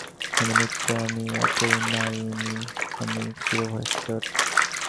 আমি নিত্য, আমি অপরিণামী, আমি চির-ভাস্বর।